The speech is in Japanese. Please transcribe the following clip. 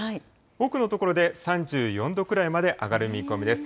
多くの所で３４度くらいまで上がる見込みです。